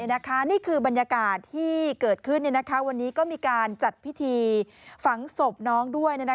นี่คือบรรยากาศที่เกิดขึ้นวันนี้ก็มีการจัดพิธีฝังศพน้องด้วย